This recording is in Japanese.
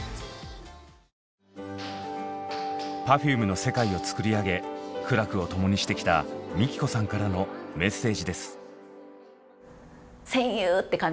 Ｐｅｒｆｕｍｅの世界をつくり上げ苦楽を共にしてきたＭＩＫＩＫＯさんからのメッセージです。